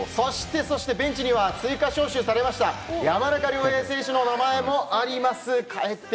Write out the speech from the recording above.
そして、ベンチには追加招集されました山中亮平選手の名前もあります。